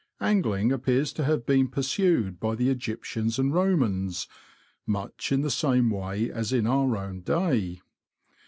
Angling appears to have been pursued by the Egyptians and Romans, much in the same way as in our own day.